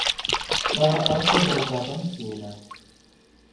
तर अर्को मौका पनि थिएन ।